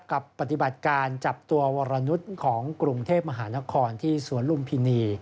ปฏิบัติการจับตัววรนุษย์ของกรุงเทพมหานครที่สวนลุมพินี